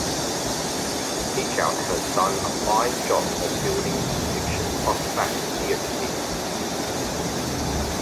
Teachout has done a fine job of building a fiction-plus-fact theater piece.